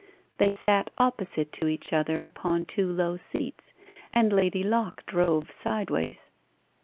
They sat opposite to each other upon two low seats, and Lady Locke drove sideways.